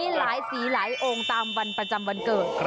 มีหลายสีหลายองค์ตามวันประจำวันเกิด